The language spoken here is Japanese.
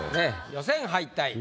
予選敗退